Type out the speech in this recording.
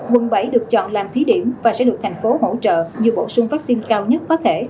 quận bảy được chọn làm thí điểm và sẽ được thành phố hỗ trợ như bổ sung vaccine cao nhất có thể